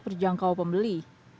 kata perjangkau pembeli